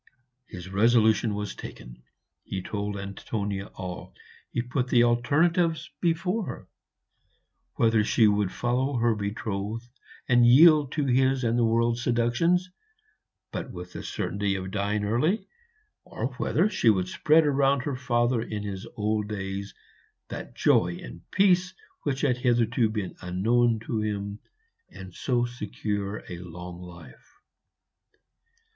His resolution was taken. He told Antonia all; he put the alternatives before her whether she would follow her betrothed and yield to his and the world's seductions, but with the certainty of dying early, or whether she would spread round her father in his old days that joy and peace which had hitherto been unknown to him, and so secure a long life.